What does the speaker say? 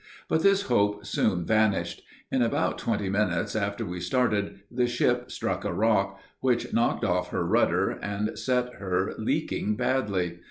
But this hope soon vanished. In about twenty minutes after we started, the ship struck a rock, which knocked off her rudder, and set her leaking badly.